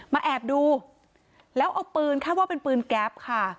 แอบดูแล้วเอาปืนคาดว่าเป็นปืนแก๊ปค่ะ